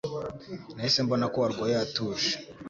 Nahise mbona ko arwaye atuje.